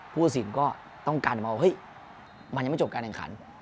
ผู้ศิลป์ก็ต้องกันมาว่ามันยังไม่จบกันอย่างคัน